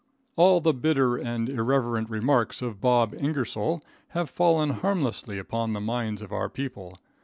All the bitter and irreverent remarks of Bob Ingersoll have fallen harmlessly upon the minds of our people.